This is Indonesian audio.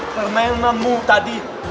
pernah yang memu tadi